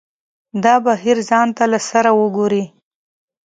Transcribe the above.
دا بهیر ځان ته له سره وګوري.